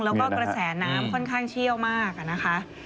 และกระแสน้ำขั้นข้างเชี่ยวมาก